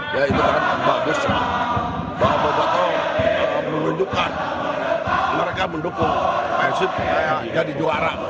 ya itu kan bagus bahwa boboto menunjukkan mereka mendukung persib jadi juara